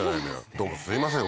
どうもすいません